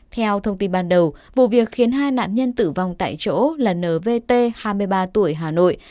theo thông tin ban đầu vụ việc khiến hai nạn nhân tử vong tại chỗ là nvt hai mươi ba tuổi hà nội